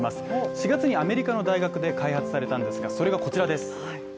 ４月にアメリカの大学で開発されたんですがそれがこちらです。